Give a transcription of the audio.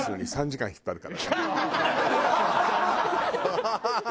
ハハハハ！